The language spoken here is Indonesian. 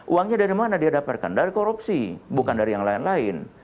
uangnya dari mana dia dapatkan dari korupsi bukan dari yang lain lain